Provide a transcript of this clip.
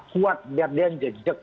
kuat biar dia jejek